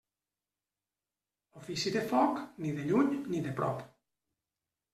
Ofici de foc, ni de lluny ni de prop.